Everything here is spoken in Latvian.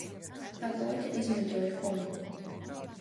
Tā puika izmuļķoja kungu.